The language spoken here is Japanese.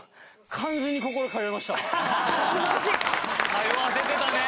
通わせてたね。